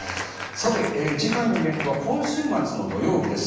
次回のイベントは今週末の土曜日です。